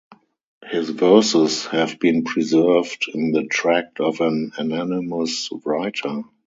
His verses have been preserved in the tract of an anonymous writer.